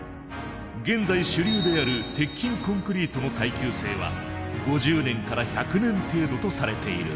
現在主流である鉄筋コンクリートの耐久性は５０年から１００年程度とされている。